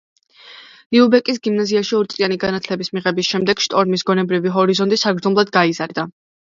ლიუბეკის გიმნაზიაში ორ წლიანი განათლების მიღების შემდეგ, შტორმის გონებრივი ჰორიზონტი საგრძნობლად გაიზარდა.